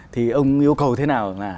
thì ông yêu cầu thế nào là